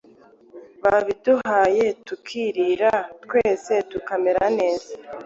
babiduhaye tukirira twese tukamera neza